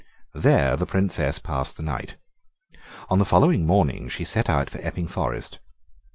There the Princess passed the night. On the following morning she set out for Epping Forest.